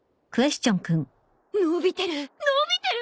伸びてる伸びてる。